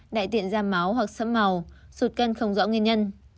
đại tiện ra máu hoặc sẫm màu sụt cân không rõ nguyên nhân